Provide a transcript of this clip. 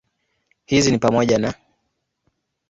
Hizi ni pamoja na